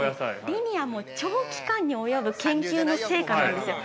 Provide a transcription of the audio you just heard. リニアも長期間に及ぶ研究の成果なんですよ。